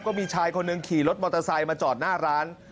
ก็มีชายคนหนึ่งขี่รถมอเตอร์ไซค์มาจอดหน้าร้าน